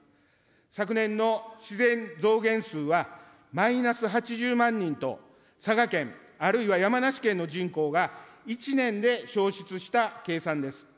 昨年の自然増減数はマイナス８０万人と、佐賀県、あるいは山梨県の人口が１年で消失した計算です。